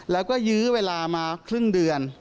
แล้วก็ยื้อเวลามาครึ่งเดือน